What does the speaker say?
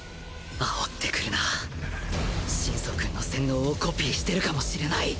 煽ってくるな心操くんの洗脳をコピーしてるかもしれない